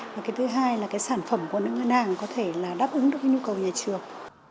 và cái thứ hai là cái sản phẩm của những ngân hàng có thể là đáp ứng được cái nhu cầu nhà trường